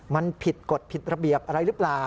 มันผิดกฎผิดระเบียบอะไรหรือเปล่า